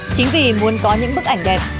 chính vì muốn có những bức ảnh đẹp